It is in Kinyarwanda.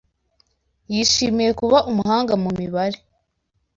Yishimiye kuba umuhanga mu mibare.